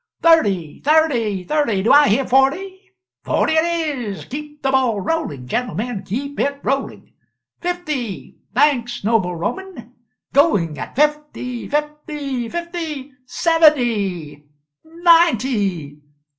Thirty, thirty, thirty! do I hear forty? forty it is! Keep the ball rolling, gentlemen, keep it rolling! fifty! thanks, noble Roman! going at fifty, fifty, fifty! seventy! ninety!